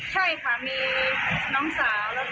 ใช่ค่ะมีน้องสาวแล้วก็ญาติอีกคนนึง